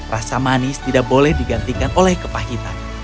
rasa manis tidak boleh digantikan oleh kepahitan